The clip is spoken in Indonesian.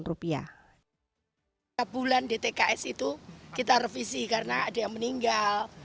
setiap bulan dtks itu kita revisi karena ada yang meninggal